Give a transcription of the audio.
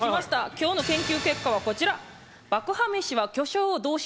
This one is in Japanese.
きょうの研究結果はこちら！